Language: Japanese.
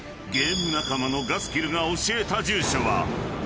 ゲーム仲間のガスキルが教えた住所は嘘］